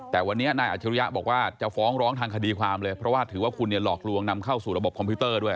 แต่วันนี้นายอัจฉริยะบอกว่าจะฟ้องร้องทางคดีความเลยเพราะว่าถือว่าคุณเนี่ยหลอกลวงนำเข้าสู่ระบบคอมพิวเตอร์ด้วย